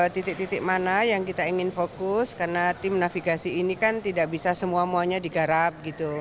titik titik mana yang kita ingin fokus karena tim navigasi ini kan tidak bisa semuanya digarap gitu